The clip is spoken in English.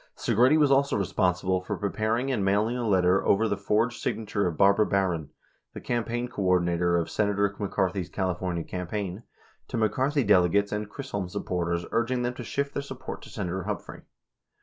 Segretti was also responsible for preparing and mailing a letter over the forged signature of Barbara Barron, the campaign coordina tor of Senator McCarthy's California campaign, to McCarthy dele gates and Chisholm supporters urging them to shift their support to Senator Humphrey.